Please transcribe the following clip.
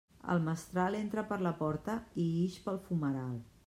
El mestral entra per la porta i ix pel fumeral.